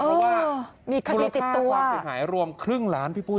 เพราะว่ามีคุณค่าความสินหายรวมครึ่งล้านพี่ปุ้ย